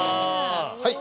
はい。